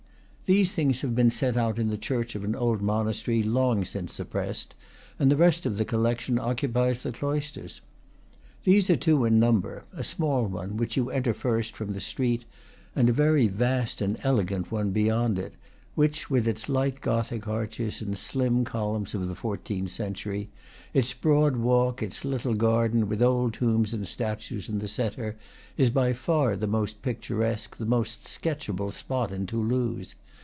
These things have been set out in the church of an old monastery, long since suppressed, and the rest of the collection occupies the cloisters. These are two in number, a small one, which you enter first from the street, and a very vast and ele gant one beyond it, which with its light Gothic arches and slim columns (of the fourteenth century), its broad walk its little garden, with old tombs and statues in the centre, is by far the most picturesque, the most sketchable, spot in Toulouse.